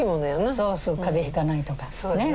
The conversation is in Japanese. そうそう風邪ひかないとかね。